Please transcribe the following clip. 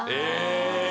え！